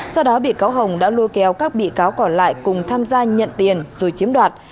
sau đó bị cáo hồng đã lôi kéo các bị cáo còn lại cùng tham gia nhận tiền rồi chiếm đoạt